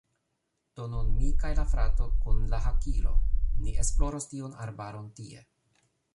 Do nun mi kaj la frato kun la hakilo, ni esploros tiun arbaron tie.